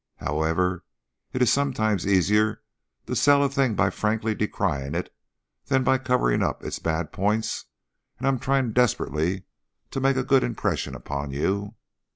However, it is sometimes easier to sell a thing by frankly decrying it than by covering up its bad points, and I'm trying desperately to make a good impression upon you.